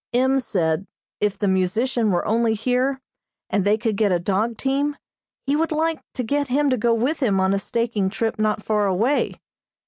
M. said if the musician were only here, and they could get a dog team, he would like to get him to go with him on a staking trip not far away.